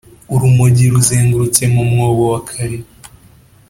urumogi ruzengurutse mu mwobo wa kare.